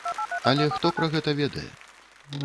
Але хто пра гэта ведае?